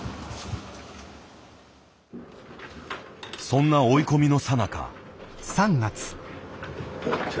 そんな追い込みのさなか。